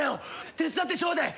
手伝ってちょうでえ。